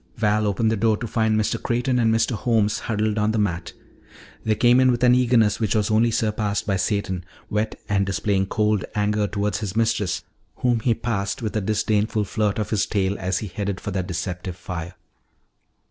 Val opened the door to find Mr. Creighton and Mr. Holmes huddled on the mat. They came in with an eagerness which was only surpassed by Satan, wet and displaying cold anger towards his mistress, whom he passed with a disdainful flirt of his tail as he headed for that deceptive fire.